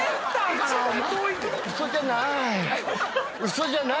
嘘じゃない。